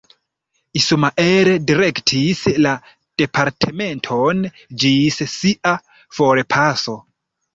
Ismael direktis la departementon ĝis sia forpaso.